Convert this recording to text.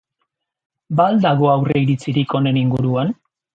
Ba al dago aurreiritzirik honen inguruan?